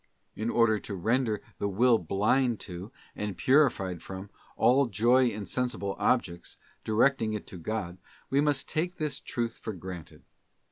In order to render the will blind to, and purified from, all joy in sensible objects, directing it to God, we must take this truth for granted.